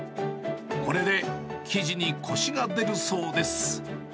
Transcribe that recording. これで生地にこしが出るそうです。